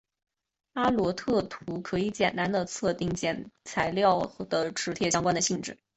阿罗特图可以简单地测定材料的铁磁相关的性质。